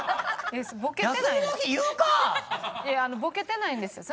いやボケてないんですよ。